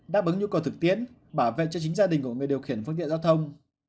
đáp ứng nhu cầu thực tiễn bảo vệ cho chính gia đình của người điều khiển phương tiện giao thông